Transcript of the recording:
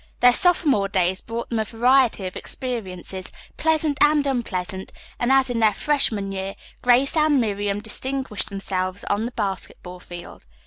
Their sophomore days brought them a variety of experiences, pleasant and unpleasant, and, as in their freshman year, Grace and Miriam distinguished themselves on the basketball field.